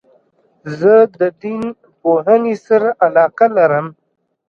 زه د دین پوهني سره علاقه لرم.